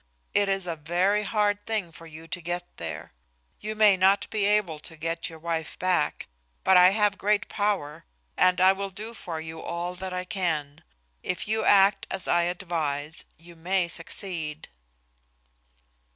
It is a very hard thing for you to get there. You may not be able to get your wife back, but I have great power and I will do for you all that I can. If you act as I advise, you may succeed."